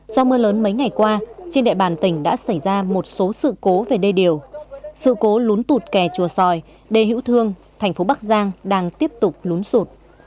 do mưa lớn mấy ngày qua trên địa bàn tỉnh đã xảy ra một số sự cố về đê điều sự cố lún tụt kè chùa sòi đê hữu thương thành phố bắc giang đang tiếp tục lún sụt